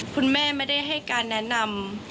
คุณแม่ไม่ได้ให้การแนะนำ